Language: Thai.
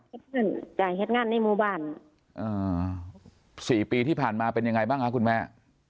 ใช่ครับใช่งานในมุบาลอ่าสี่ปีที่ผ่านมาเป็นยังไงบ้างฮะคุณแม่